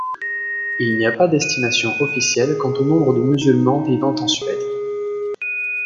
Il n'y a pas d'estimation officielle quant au nombre de musulmans vivant en Suède.